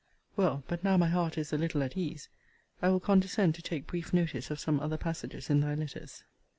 Well, but now my heart is a little at ease, I will condescend to take brief notice of some other passages in thy letters.